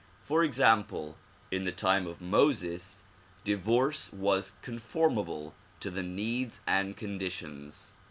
For example, in the time of ]Moses divorce was conformable to the needs and conditions.